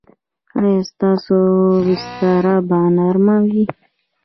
ایا ستاسو بستره به نرمه وي؟